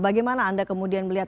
bagaimana anda kemudian melihat